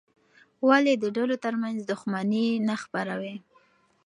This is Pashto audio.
ولې د ډلو ترمنځ دښمني مه خپروې؟